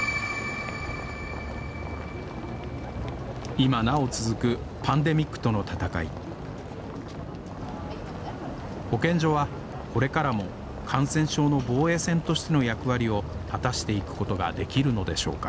今なお続くパンデミックとの闘い保健所はこれからも感染症の防衛線としての役割を果たしていくことができるのでしょうか？